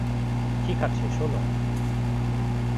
ঠিক আছে শোন।